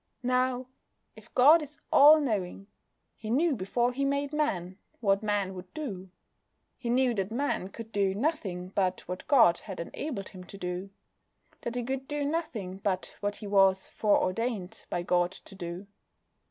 Now, if God is all knowing, He knew before He made Man what Man would do. He knew that Man could do nothing but what God had enabled him to do. That he could do nothing but what he was foreordained by God to do.